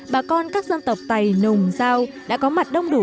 bà con các dân tộc tày nùng giao đã có mặt đông đủ